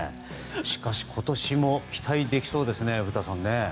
しかし、今年も期待できそうですね、古田さん。